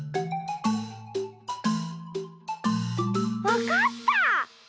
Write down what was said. わかった！